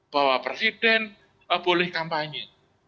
bahwa presiden boleh kampanye